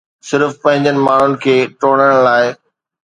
صرف پنهنجن ماڻهن کي ٽوڙڻ لاء